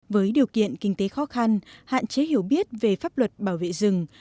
với điều kiện kinh tế khó khăn hạn chế hiểu biết về pháp luật bảo vệ rừng